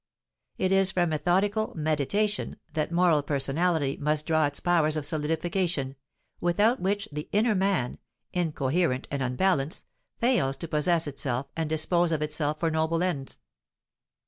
It is from methodical "meditation" that moral personality must draw its powers of solidification, without which the "inner man," incoherent and unbalanced, fails to possess itself and dispose of itself for noble ends.